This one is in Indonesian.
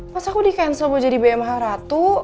mas al di cancel mau jadi bmh ratu